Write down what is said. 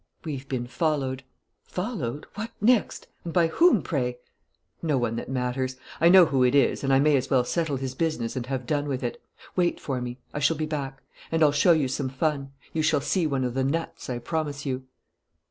"We've been followed." "Followed? What next? And by whom, pray?" "No one that matters. I know who it is and I may as well settle his business and have done with it. Wait for me. I shall be back; and I'll show you some fun. You shall see one of the 'nuts,' I promise you."